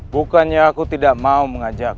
bukannya aku tidak mau mengajak